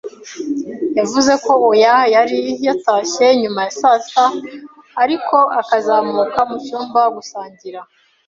Yavuze ko oya, yari yatashye nyuma ya saa sita ariko akazamuka mu cyumba gusangira